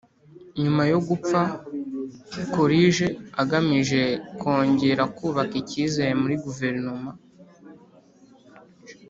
nyuma yo gupfa, coolidge agamije kongera kubaka ikizere muri guverinoma